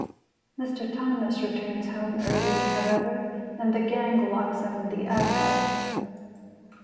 Mr. Thomas returns home early, however, and the gang locks him in the outhouse.